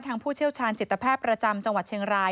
ผู้เชี่ยวชาญจิตแพทย์ประจำจังหวัดเชียงราย